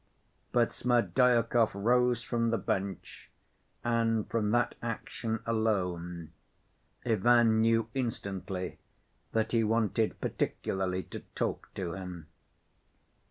But Smerdyakov rose from the bench, and from that action alone, Ivan knew instantly that he wanted particularly to talk to him.